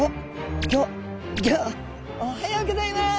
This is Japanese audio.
おはようギョざいます。